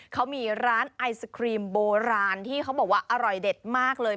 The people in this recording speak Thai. เขามีร้านไอศครีมโบราณที่เขาบอกว่าอร่อยเด็ดมากเลย